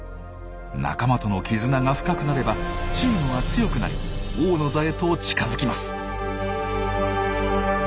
仲間との絆が深くなればチームは強くなり王の座へと近づきます。